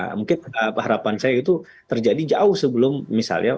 mungkin harapan saya itu terjadi jauh sebelum misalnya